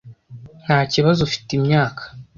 Ntakibazo ufite imyaka,